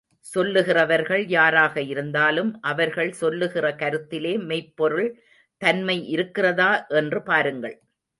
சொல்லுகிறவர்கள் யாராக இருந்தாலும் அவர்கள் சொல்லுகிற கருத்திலே மெய்ப்பொருள் தன்மை இருக்கிறதா என்று பாருங்கள்.